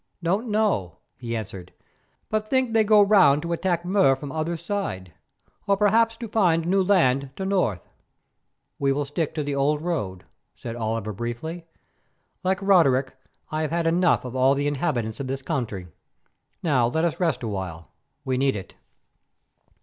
"Don't know," he answered, "but think they go round to attack Mur from other side, or perhaps to find new land to north." "We will stick to the old road," said Oliver briefly. "Like Roderick I have had enough of all the inhabitants of this country. Now let us rest awhile; we need it."